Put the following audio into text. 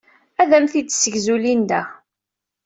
Ad am-t-id-tessegzu Linda.